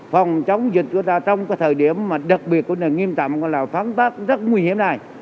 phòng chống dịch của ta trong thời điểm đặc biệt nghiêm tạm gọi là phán tác rất nguy hiểm này